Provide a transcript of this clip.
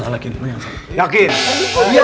lu salah kin lu yang salah